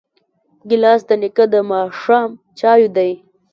ګیلاس د نیکه د ماښام چایو دی.